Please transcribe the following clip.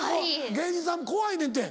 芸人さん怖いねんて。